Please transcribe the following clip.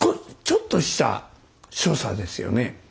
ちょっとした所作ですよね。